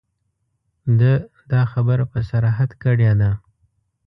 ده دا خبره په صراحت کړې ده.